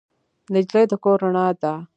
نجلۍ د کور رڼا ده.